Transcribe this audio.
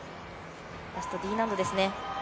ラストＤ難度ですね。